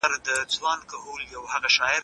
بهرنیو پانګوالو دلته کار پیل کړی دی.